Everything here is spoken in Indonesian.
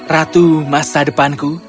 ratu masa depanku